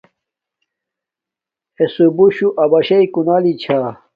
اݺ سُبݸشݸ اَبَشݵئ کُنَلݵ چھݳ.